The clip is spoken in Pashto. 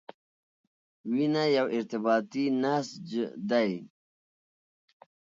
وینه یو ارتباطي نسج دی.